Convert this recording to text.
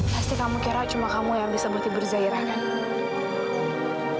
pasti kamu kira cuma kamu yang bisa berhibur zairah kan